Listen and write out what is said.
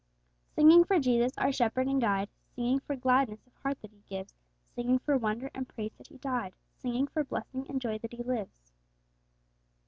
Singing for Jesus, our Shepherd and Guide; Singing for gladness of heart that He gives; Singing for wonder and praise that He died; Singing for blessing and joy that He lives!